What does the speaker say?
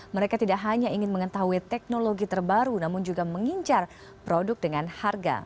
mereka tidak hanya ingin mengetahui teknologi terbaru namun juga mengincar produk dengan harga